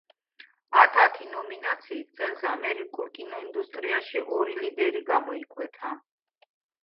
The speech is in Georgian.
ათ-ათი ნომინაციით წელს ამერიკულ კინოინდუსტრიაში ორი ლიდერი გამოიკვეთა.